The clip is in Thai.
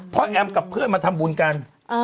เพราะแอมกับเพื่อนมาทำบุญกัน